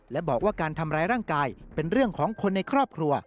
และบอกว่าการทำร้ายร่างกายเป็นเรื่องของคนในครอบครัว